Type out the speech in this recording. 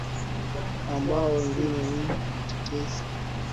Ambao wengine ni watetea haki za nchi na wengine ni wabaya wa nchi